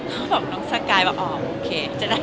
เขาบอกน้องสกายว่าโอเค